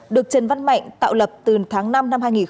được trần văn mạnh tạo lập từ tháng năm năm hai nghìn hai mươi